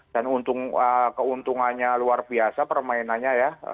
dan keuntungannya luar biasa permainannya ya